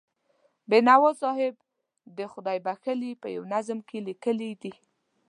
بینوا صاحب دې خدای وبښي، په یوه نظم کې یې لیکلي دي.